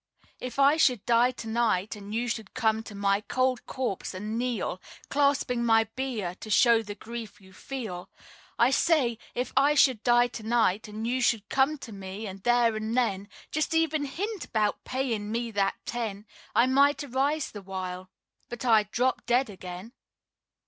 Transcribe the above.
If I should die to night And you should come to my cold corpse and kneel, Clasping my bier to show the grief you feel, I say, if I should die to night And you should come to me, and there and then Just even hint 'bout payin' me that ten, I might arise the while, But I'd drop dead again.